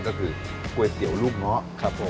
ก็คือก๋วยเตี๋ยวลูกเงาะครับผม